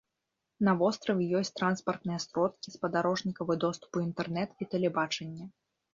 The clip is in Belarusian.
На востраве ёсць транспартныя сродкі, спадарожнікавы доступ у інтэрнэт і тэлебачанне.